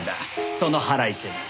その腹いせに。